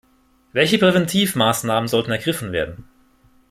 Welche Präventivmaßnahmen sollten ergriffen werden?